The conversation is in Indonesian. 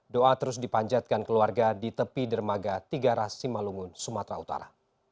doa terus dipanjatkan keluarga di tepi dermaga tiga ras simalungun sumatera utara